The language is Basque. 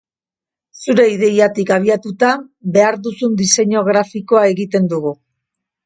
Zure ideatik abiatuta, behar duzun diseinu grafikoa egiten dugu.